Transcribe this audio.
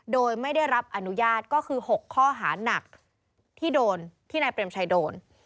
โดยไม่ได้รับอนุญาตก็คือ๖ข้อหานักที่โดนที่นายเปรมชัยโดน